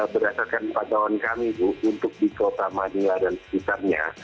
berdasarkan pantauan kami bu untuk di kota manila dan sekitarnya